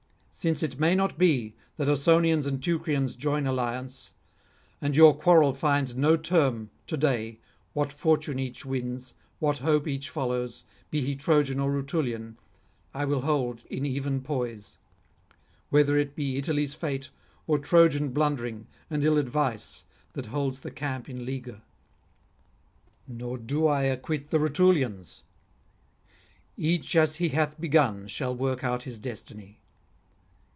Since it may not be that Ausonians and Teucrians join alliance, and your quarrel finds no term, to day, what fortune each wins, what hope each follows, be he Trojan or Rutulian, I will hold in even poise; whether it be Italy's fate or Trojan blundering and ill advice that holds the camp in leaguer. Nor do I acquit the Rutulians. Each as he hath begun shall work out his destiny.